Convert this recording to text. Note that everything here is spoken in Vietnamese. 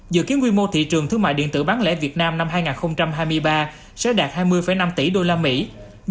dự kiến quy mô thị trường thương mại điện tử bán lễ việt nam năm hai nghìn hai mươi ba sẽ đạt hai mươi năm tỷ usd